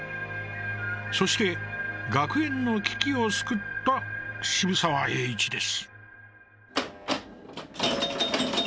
そして、学園の危機を救った渋沢栄一です。